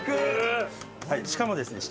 しかもですね